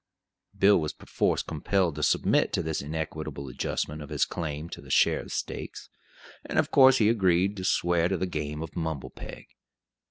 Bill was perforce compelled to submit to this inequitable adjustment of his claim to a share of the stakes; and of course agreed to swear to the game of mumble peg.